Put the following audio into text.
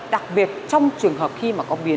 đặc biệt trong trường hợp khi mà có việc